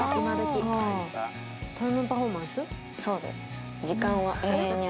そうです。